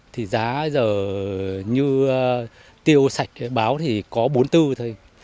thì giá giờ như tiêu sạch báo thì có bốn tư thôi